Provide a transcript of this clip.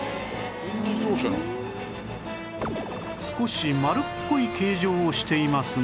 少し丸っこい形状をしていますが